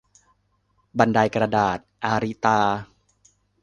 บันไดกระดาษ - อาริตา